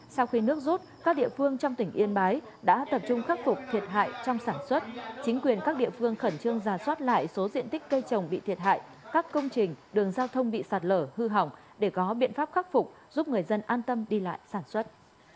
sau khi nước rút các địa phương trong tỉnh yên bái đã tập trung khắc phục thiệt hại trong sản xuất chính quyền các địa phương khẩn trương giả soát lại số diện tích cây trồng bị thiệt hại các công trình đường giao thông bị sạt lở hư hỏng để có biện pháp khắc phục giúp người dân an tâm đi lại sản xuất